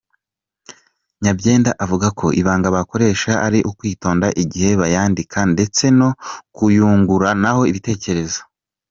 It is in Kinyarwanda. Nyabyenda avuga ko ibanga bakoreshaga ari ukwitonda igihe bayandika ndetse no kuyunguranaho ibitekerezo.